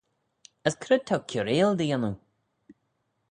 As c'red t'ou kiarail dy yannoo?